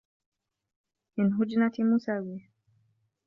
مِنْ هُجْنَةِ مُسَاوِيهِ